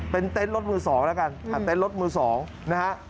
เป็นเต็นต์รถมือสองนะครับเต็นต์รถมือสองนะครับ